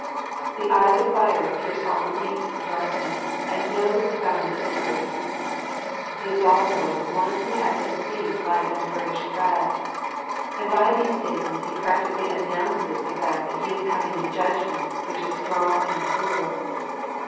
The eyes of fire pierce all the deeps of darkness, and know the profoundest secrets. He is also the One Who " hath His feet like unto burnished brass," and by these statements He practically announces the fact that He is coming in judgment which is strong and pure.